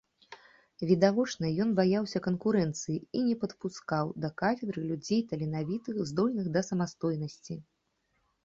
Відавочна, ён баяўся канкурэнцыі і не падпускаў да кафедры людзей таленавітых, здольных да самастойнасці.